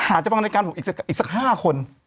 อาจจะฟังรายการผมอีกสัก๕คน